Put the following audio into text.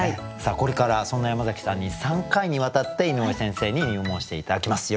これからそんな山崎さんに３回にわたって井上先生に入門して頂きます。